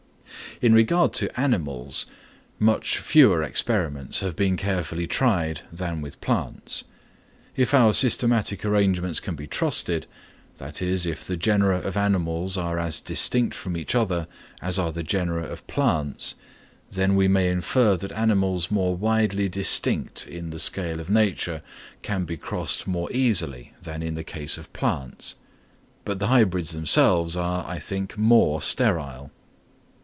In regard to animals, much fewer experiments have been carefully tried than with plants. If our systematic arrangements can be trusted, that is, if the genera of animals are as distinct from each other as are the genera of plants, then we may infer that animals more widely distinct in the scale of nature can be crossed more easily than in the case of plants; but the hybrids themselves are, I think, more sterile.